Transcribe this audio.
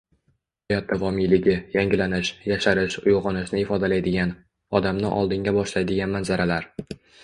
Hayot davomiyligi, yangilanish, yasharish, uygʻonishni ifodalaydigan, odamni oldinga boshlaydigan manzaralar...